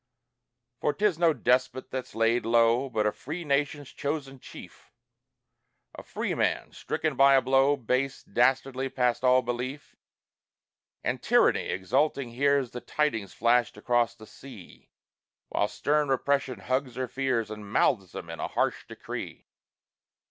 For 'tis no despot that's laid low, But a free nation's chosen chief; A free man, stricken by a blow Base, dastardly, past all belief. And Tyranny exulting hears The tidings flashed across the sea; While stern Repression hugs her fears, And mouths them in a harsh decree.